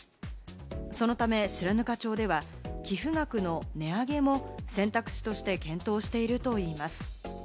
そのため白糠町では、寄付額の値上げも選択肢として検討しているといいます。